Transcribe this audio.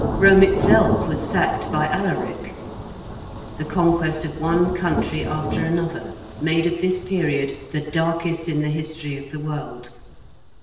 Rome itself was sacked by Alaric; the conquest of one country after another made of this period the darkest in the history of the world.